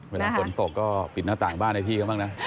ฝนตกก็ปิดหน้าต่างบ้านให้พี่เขาบ้างนะ